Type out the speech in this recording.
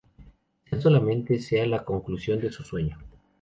Quizás solamente sea la conclusión de su sueño.